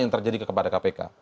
yang terjadi kepada kpk